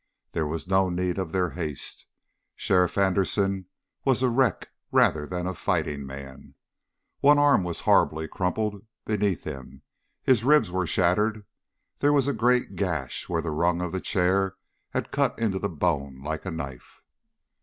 There was no need of their haste. Sheriff Anderson was a wreck rather than a fighting man. One arm was horribly crumpled beneath him; his ribs were shattered, there was a great gash where the rung of the chair had cut into the bone like a knife.